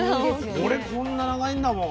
これこんな長いんだもん。